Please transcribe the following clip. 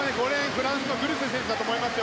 フランスのグルセ選手だと思います。